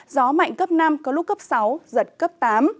gió mạnh cấp năm có lúc cấp sáu giật cấp tám